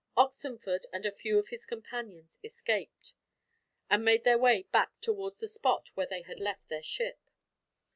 Oxenford and a few of his companions escaped, and made their way back towards the spot where they had left their ship.